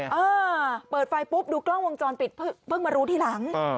เออเปิดไฟปุ๊บดูกล้องวงจรปิดเพิ่งมารู้ทีหลัง